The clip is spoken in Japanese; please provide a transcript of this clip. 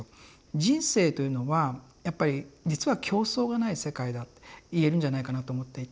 人生というのはやっぱり実は競争がない世界だっていえるんじゃないかなと思っていて。